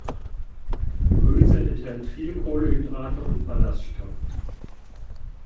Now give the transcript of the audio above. Gemüse enthält viele Kohlenhydrate und Ballaststoffe.